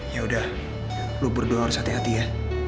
ya udah lo berdua harus hati hati ya